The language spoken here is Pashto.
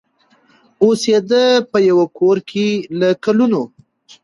اوسېده په یوه کورکي له کلونو